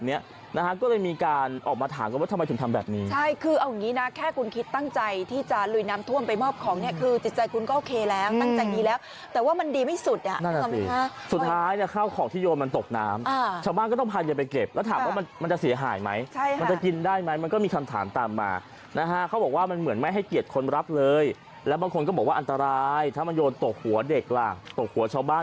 มาถามกันว่าทำไมถึงทำแบบนี้ใช่คือเอาอย่างนี้นะแค่คุณคิดตั้งใจที่จะลุยน้ำท่วมไปมอบของเนี่ยคือจิตใจคุณก็โอเคแล้วตั้งใจดีแล้วแต่ว่ามันดีไม่สุดอ่ะนั่นแหละสิสุดท้ายเนี่ยข้าวของที่โยนมันตกน้ำชาวบ้านก็ต้องพายันไปเก็บแล้วถามว่ามันจะเสียหายไหมมันจะกินได้ไหมมันก็มีคำถามตามมานะฮะ